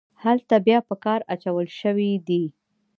هلته بیا په کار اچول شوي دي.